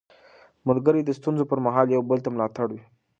ملګري د ستونزو پر مهال یو بل ته ملا تړ وي